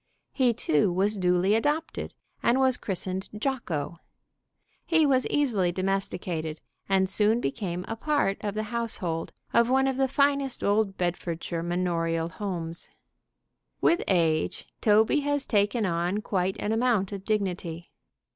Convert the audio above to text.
He, too, was duly adopted, and was christened Jocko. He was easily domesticated and soon became a part of the household of one of the finest old Bedfordshire manorial homes. With age Toby has taken on quite an amount of dignity.